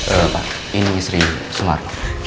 eh pak ini istri semar